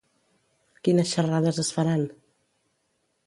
Quines xerrades es faran?